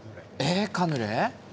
カヌレ？